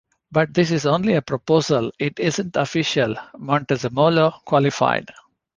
"But this is only a proposal, it isn't official," Montezemolo qualified.